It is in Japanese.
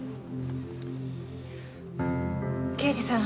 刑事さん。